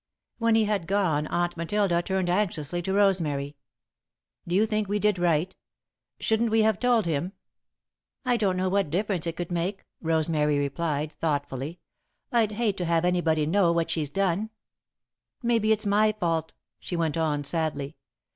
When he had gone, Aunt Matilda turned anxiously to Rosemary. "Do you think we did right? Shouldn't we have told him?" "I don't know what difference it could make," Rosemary replied, thoughtfully. "I'd hate to have anybody know what she's done. Maybe it's my fault," she went on, sadly.